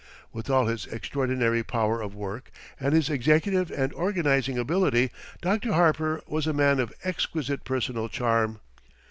With all his extraordinary power of work and his executive and organizing ability, Dr. Harper was a man of exquisite personal charm.